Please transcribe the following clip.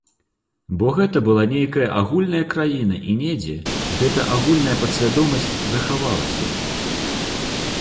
Бо гэта была нейкая агульная краіна і недзе гэта агульная падсвядомасць захавалася.